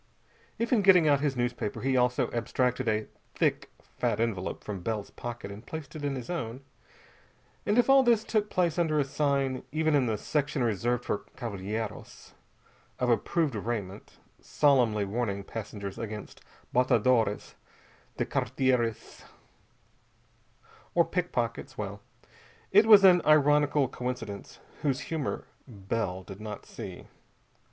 If in getting out his newspaper he also abstracted a thick fat envelope from Bell's pocket and placed it in his own, and if all this took place under a sign even in the section reserved for cavalhieros of approved raiment solemnly warning passengers against "batadores de carteiras," or pickpockets well, it was an ironical coincidence whose humor Bell did not see.